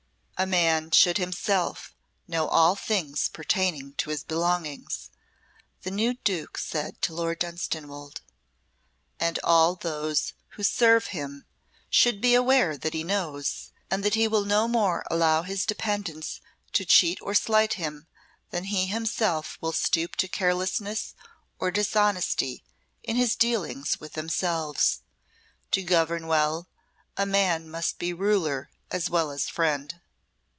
"A man should himself know all things pertaining to his belongings," the new Duke said to Lord Dunstanwolde, "and all those who serve him should be aware that he knows, and that he will no more allow his dependents to cheat or slight him than he himself will stoop to carelessness or dishonesty in his dealings with themselves. To govern well, a man must be ruler as well as friend."